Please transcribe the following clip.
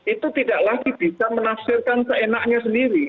itu tidak lagi bisa menafsirkan seenaknya sendiri